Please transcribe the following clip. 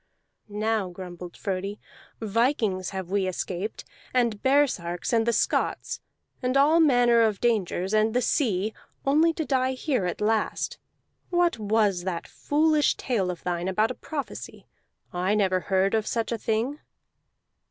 "Now," grumbled Frodi, "vikings have we escaped, and baresarks, and the Scots, and all manner of dangers, and the sea, only to die here at last. What was that foolish tale of thine about a prophecy? I never heard of such a thing."